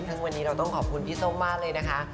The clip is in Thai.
ซึ่งวันนี้เราต้องขอบคุณพี่ส้มมากเลยนะคะ